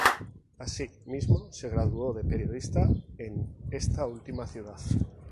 Así mismo se graduó de periodista en esta última ciudad.